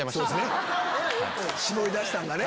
絞り出したんがね。